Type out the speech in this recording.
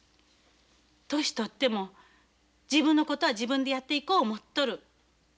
年取っても自分のことは自分でやっていこう思っとる。